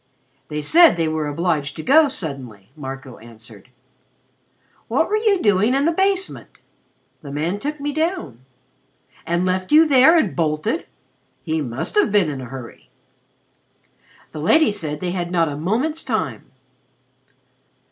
"They said they were obliged to go suddenly," Marco answered. "What were you doing in the basement?" "The man took me down." "And left you there and bolted? He must have been in a hurry." "The lady said they had not a moment's time."